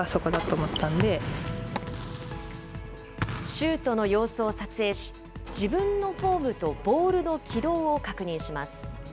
シュートの様子を撮影し、自分のフォームとボールの軌道を確認します。